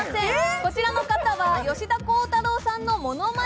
こちらの方は吉田鋼太郎さんのモノマネ